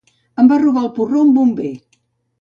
Em va robar el porró un bomber